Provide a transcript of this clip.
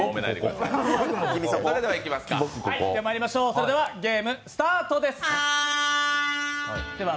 それではゲームスタートです。